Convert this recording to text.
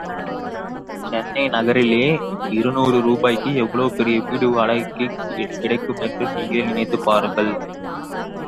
சென்னை நகரிலே, இருநூறு ரூபாய்க்கு எவ்வளவு பெரிய வீடு வாடகைக்குக் கிடைக்கும் என்று நீங்களே நினைத்துப் பாருங்கள்.